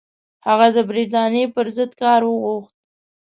هغه د برټانیې پر ضد کار وغوښت.